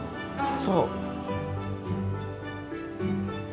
そう。